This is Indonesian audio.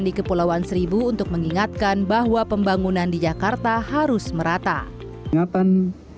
di kepulauan seribu untuk mengingatkan bahwa pembangunan di jakarta harus merata ingatan